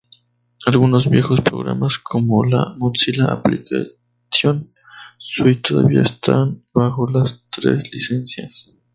Algunos viejos programas como la Mozilla Application Suite todavía están bajo las tres licencias.